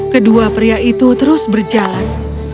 kedua pria itu terus berjalan